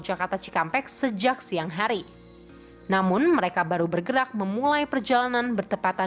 jika tidak mereka akan dihubungi dengan penumpang yang menerima pengalaman tersebut